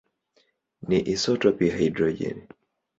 ni isotopi ya hidrojeni.